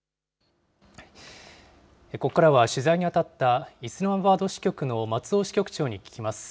ここからは取材にあたったイスラマバード支局の松尾支局長に聞きます。